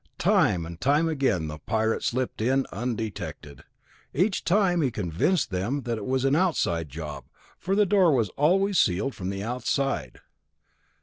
Time and time again the Pirate slipped in undetected. Each time he convinced them that it was an outside job, for the door was always sealed from the outside.